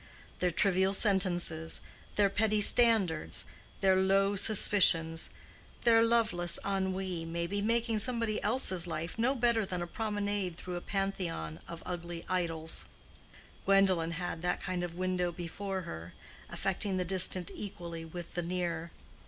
Their trivial sentences, their petty standards, their low suspicions, their loveless ennui, may be making somebody else's life no better than a promenade through a pantheon of ugly idols. Gwendolen had that kind of window before her, affecting the distant equally with the near.